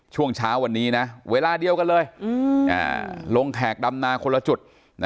ช่วงเช้าวันนี้นะเวลาเดียวกันเลยลงแขกดำนาคนละจุด